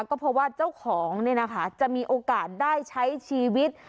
ก็เพราะว่าเจ้าของจะมีโอกาสได้ใช้ชีวิต